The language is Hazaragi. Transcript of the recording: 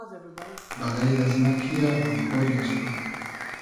بئغݷر از مۂ کی یۂ غئم خۉری از تو